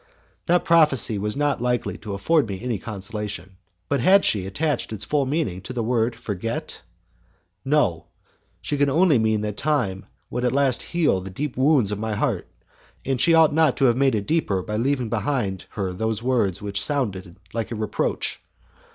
That prophecy was not likely to afford me any consolation. But had she attached its full meaning to the word "forget?" No; she could only mean that time would at last heal the deep wounds of my heart, and she ought not to have made it deeper by leaving behind her those words which sounded like a reproach.